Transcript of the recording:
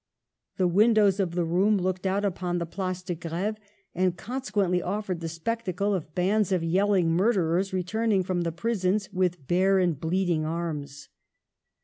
The windows of the room looked out upon the Place de Gr£ve, and consequently offered the spectacle of bands of yelling murderers returning from the prisons " with bare and bleeding arms."